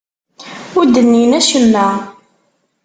Ur d-nnin acemma.